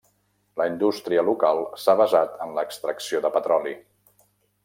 La indústria local s'ha basat en l'extracció de petroli.